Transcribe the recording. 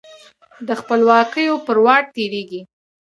د خپلواکیو پر واټ تیریږې